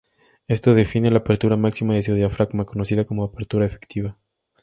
Esto define la apertura máxima de su diafragma, conocida como apertura efectiva.